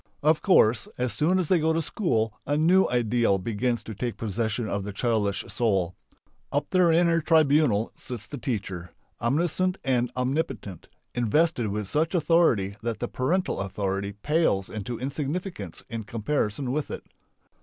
Of course as soon as they go to school a new ideal begins to take possession of the childish soul. Up there in her tribunal sits the teacher, omniscient and omnipotent, invested with such authority that the parental authority pales into insignificance in comparison with it.